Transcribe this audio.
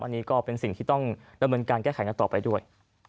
อันนี้ก็เป็นสิ่งที่ต้องดำเนินการแก้ไขกันต่อไปด้วย